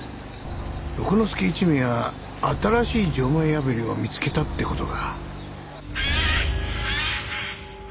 六之助一味は新しい錠前破りを見つけたって事か。